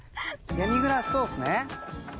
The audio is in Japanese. デミグラスソースね。